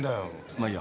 まあいいや。